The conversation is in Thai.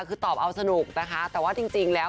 คือตอบเอาสนุกนะคะแต่ว่าจริงแล้ว